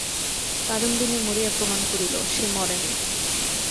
কাদম্বিনী মরিয়া প্রমাণ করিল, সে মরে নাই।